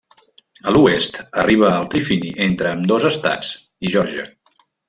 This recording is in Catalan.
A l'oest arriba al trifini entre ambdós estats i Geòrgia.